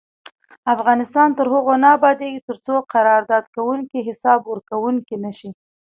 افغانستان تر هغو نه ابادیږي، ترڅو قرارداد کوونکي حساب ورکوونکي نشي.